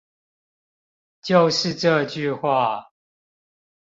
就是這句話